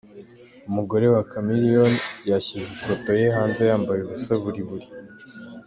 Umugore wa Chameleone yashyize ifoto ye hanze yambaye ubusa buri buri.